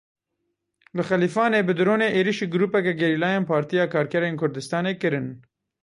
Li Xelîfanê bi dronê êrişî grûpeke gerîlayên Partiya Karkerên Kurdistanê kirin.